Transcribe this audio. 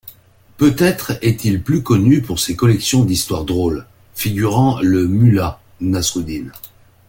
Peut-être est-il plus connu pour ses collections d’histoires drôles figurant le Mulla Nasrudin.